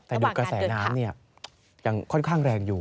แต่ดูกระแสน้ำยังค่อนข้างแรงอยู่